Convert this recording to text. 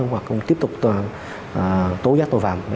hoặc tiếp tục tố giác tội phạm